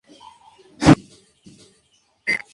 El distrito tiene seis regiones escolares.